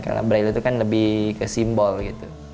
karena braille itu kan lebih ke simbol gitu